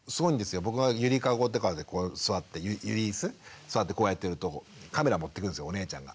僕が揺りかごとかでこう座って揺りいす座ってこうやってるとカメラ持ってくるんですよお姉ちゃんが。